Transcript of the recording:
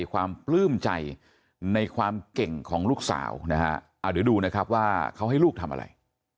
ความปลื้มใจในความเก่งของลูกสาวนะฮะเดี๋ยวดูนะครับว่าเขาให้ลูกทำอะไร